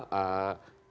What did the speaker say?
dengan menurut saya